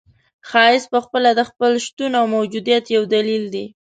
ښایست پخپله د خپل شتون او موجودیت یو دلیل دی.